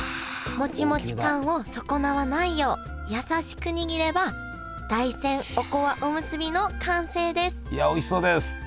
モチモチ感を損なわないよう優しく握れば大山おこわおむすびの完成ですいやおいしそうです！